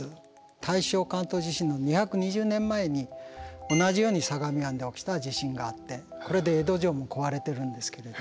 大正関東地震の２２０年前に同じように相模湾で起きた地震があってこれで江戸城も壊れてるんですけれども。